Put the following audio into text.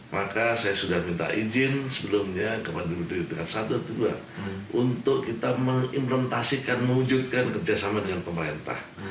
maka saya sudah minta izin sebelumnya kepada dpd i dpd ii untuk kita mengimplementasikan mewujudkan kerjasama dengan pemerintah